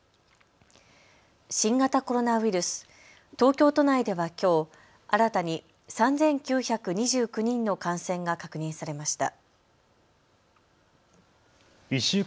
新型コロナウイルス、東京都内ではきょう新たに３９２９人の感染が確認されました。